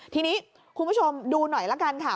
ทีนี้คุณผู้ชมดูหน่อยละกันค่ะ